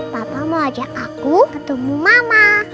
papa mau ajak aku ketemu mama